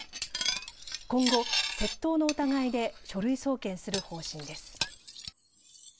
今後、窃盗の疑いで書類送検する方針です。